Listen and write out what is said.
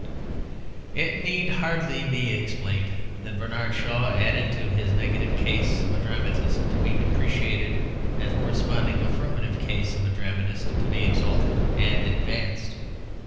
It need hardly be explained that Bernard Shaw added to his negative case of a dramatist to be depreciated a corresponding affirmative case of a dramatist to be exalted and advanced.